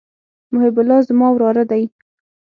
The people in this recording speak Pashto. محب الله زما وراره دئ.